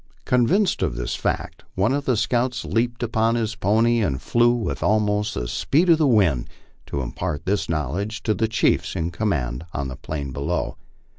Convinced of this fact, one of the scouts leaped upon his pony and flew with almost the speed of the wind to impart this knowledge to the chiefs in command on the plain below.